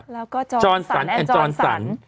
แล้วก็จอนสันแอนด์จอนสัน